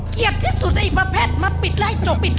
เกลียดที่สุดอีกประแพทย์มาปิดไล่จก